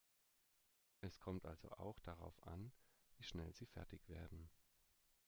Es kommt also auch darauf an, wie schnell Sie fertig werden.